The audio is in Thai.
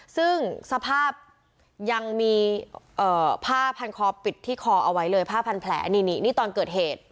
ซึ่งสภาพยังมีผ้าพันคอปิดที่คอเอาไว้เลยผ้าพันแผลนี่นี่ตอนเกิดเหตุ